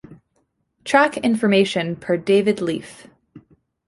Track information per David Leaf.